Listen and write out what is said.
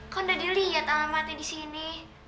kok udah dilihat alamatnya di sini